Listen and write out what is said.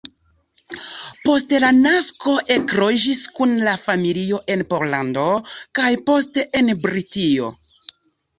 Post la nasko ekloĝis kun la familio en Pollando, kaj poste en Britio.